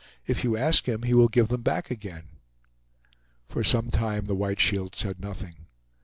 "If you ask him, he will give them back again." For some time the White Shield said nothing.